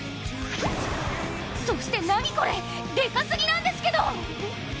そして、何これ、デカすぎなんですけど！？